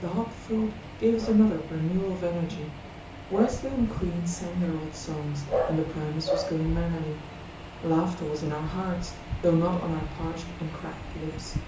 The hot food gave us another renewal of energy. Worsley and Crean sang their old songs when the Primus was going merrily. Laughter was in our hearts, though not on our parched and cracked lips.